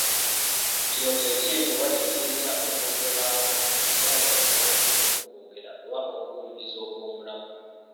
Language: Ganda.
Kino kye kiyitibwa oba kye kiyinza okwogerwako nga okwetaba okutuufu mu kwogera, oba okuwuliriza okw'omulamwa.